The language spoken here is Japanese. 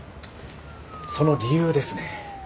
その理由ですね。